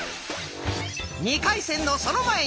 ２回戦のその前に！